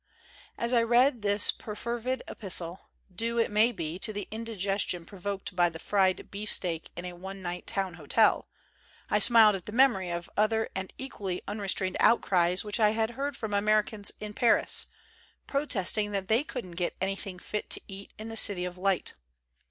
As I read this perfervid epis tle, due, it may be, to the indigestion provoked by the fried beefsteak in a one night town hotel, I smiled at the memory of other and equally unrestrained outcries which I had heard from Americans in Paris, protesting that they couldn't get anything fit to eat in the City of Light.